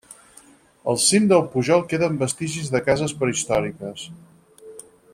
Al cim del pujol queden vestigis de cases prehistòriques.